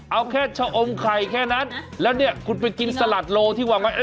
เอาแค่ชะอมไข่แค่นั้นแล้วเนี่ยคุณไปกินสลัดโลที่วางไว้